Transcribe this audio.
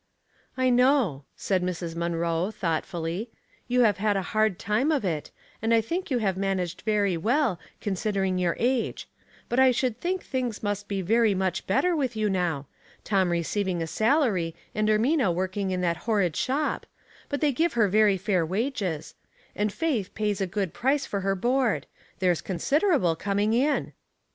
"I know," said Mrs. Munroe, thoughtfully. " You have had a hard time of it, and 1 thina: you have managed very well, considering yovr age ; but I should think things must be very much better with you now. Tom receiving a ealary, and Ermina working in that horrid shop 212 Household Puzzles. — but they give her very fair wages — and Faith pays a good price for her board. There's con siderable coming in."